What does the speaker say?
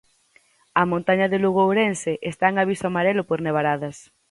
A montaña de Lugo e Ourense está en aviso amarelo por nevaradas.